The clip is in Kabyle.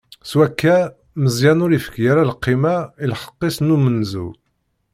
S wakka, Meẓyan ur ifki ara lqima i lḥeqq-is n umenzu.